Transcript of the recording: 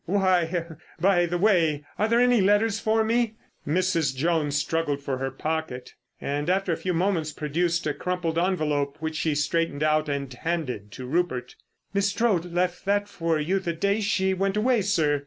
Why—by the way, are there any letters for me?" Mrs. Jones struggled for her pocket, and after a few moments produced a crumpled envelope which she straightened out and handed to Rupert. "Miss Strode left that for you the day she went away, sir.